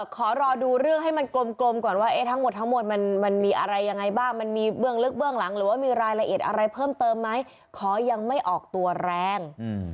ขอรอดูเรื่องให้มันกลมก่อนว่าทั้งหมดทั้งหมดมันมีอะไรยังไงบ้างมันมีเบื้องลึกเบื้องหลังหรือว่ามีรายละเอียดอะไรเพิ่มเติมไหมขอยังไม่ออกตัวแรง